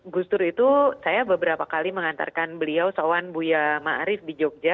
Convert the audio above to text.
gus dur itu saya beberapa kali mengantarkan beliau seowan buya marif di jogja